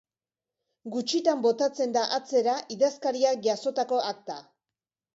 Gutxitan botatzen da atzera idazkariak jasotako akta.